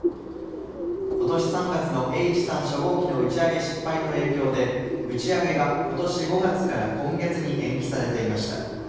今年３月のＨ３初号機の打ち上げ失敗の影響で打ち上げがことし５月から今月に延期されていました